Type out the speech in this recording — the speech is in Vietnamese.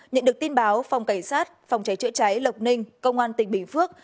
nhận được tin báo phòng cảnh sát phòng cháy chữa cháy lộc ninh công an tỉnh bình phước